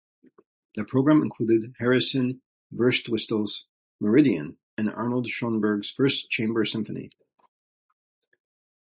The programme included Harrison Birtwistle's "Meridian" and Arnold Schoenberg's First Chamber Symphony.